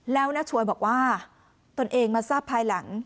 แล้วน้าช่วยบอกว่าตนเองมาทราบภายหลัง